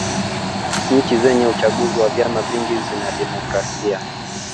nchi zenye uchaguzi wa vyama vingi zina demokrasia